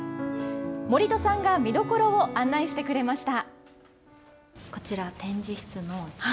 森戸さんが見どころを案内してくれました。